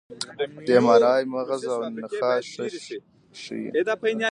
د اېم ار آی مغز او نخاع ښه ښيي.